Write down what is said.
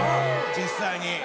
実際に。